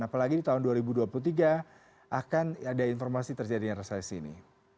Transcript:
apalagi di tahun dua ribu dua puluh tiga akan ada informasi terjadinya resesi ini